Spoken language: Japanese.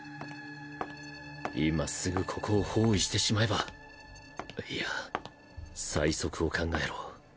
今すぐここを包囲してしまえばいいや最速を考えろ。